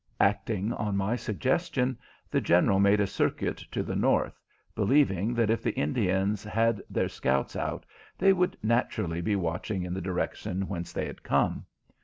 Acting on my suggestion, the General made a circuit to the north, believing that if the Indians had their scouts out they would naturally be watching in the direction whence they had come.